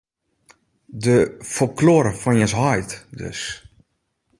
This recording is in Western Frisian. De ‘folklore fan jins heit’, dus.